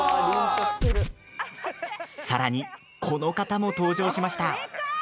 さらに、この方も登場しました。